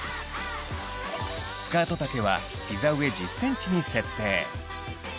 スカート丈はヒザ上１０ｃｍに設定。